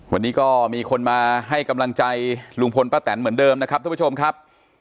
วันนี้ก็มีคนมาให้กำลังใจลุงพลป้าแตนเหมือนเดิมนะครับทุกผู้ชมครับ